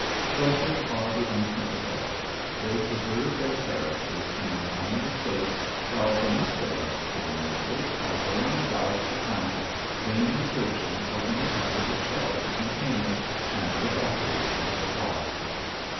Blessed are the unsympathetic. They pre serve their characters in an iron safe while the most of us poor mortals are going about the 152 JOHN SHERMAN. planet vainly searching for any kind of a shell to contain us, and evaporating the while.